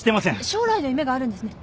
将来の夢があるんですね？